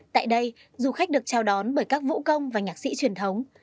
tại đây du khách được chào đón bởi các vũ công và nhạc sĩ truyền thống